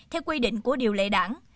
theo quy định của điều lệ đảng